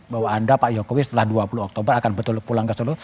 bahwa anda pak jokowi setelah dua puluh oktober akan betul pulang ke solo